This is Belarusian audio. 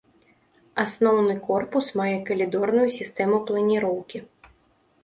Асноўны корпус мае калідорную сістэму планіроўкі.